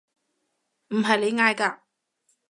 唔係你嗌嘅？